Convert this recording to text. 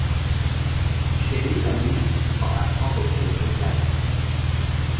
شری و لیز ساعتها با تلفن گپ میزدند.